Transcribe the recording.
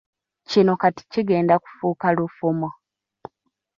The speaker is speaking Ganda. Kino kati kigenda kufuuka lufumo